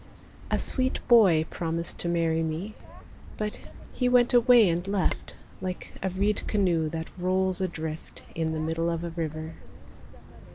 A sweet boy promised to marry me, But he went away and left Like a reed canoe that rolls adrift In the middle of a river.